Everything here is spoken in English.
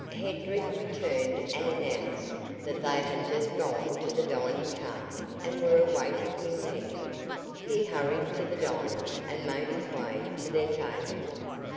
Hedrick returned and announced that they had just gone to the dining car and were awaiting him there. He hurried to the diner and made his way to their table.